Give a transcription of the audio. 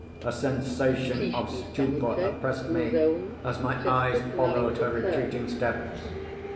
A sensation of stupor oppressed me, as my eyes followed her retreating steps.